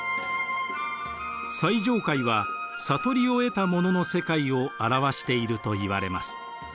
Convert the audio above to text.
最上階は悟りを得た者の世界を表しているといわれます。